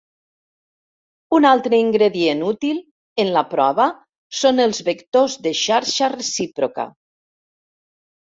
Un altre ingredient útil en la prova són els "vectors de xarxa recíproca".